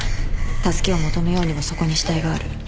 助けを求めようにもそこに死体がある。